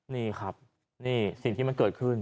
นี่ครับนี่สิ่งที่มันเกิดขึ้น